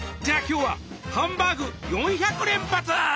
じゃあ今日はハンバーグ４００連発？